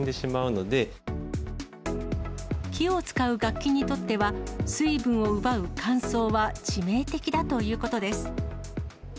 木を使う楽器にとっては、水分を奪う乾燥は致命的だということです。